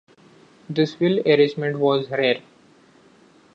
This wheel arrangement was rare.